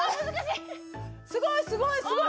すごいすごいすごい。